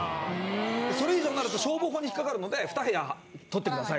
それ以上になると消防法に引っかかるので２部屋取ってください。